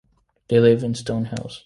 They live in Stonehouse.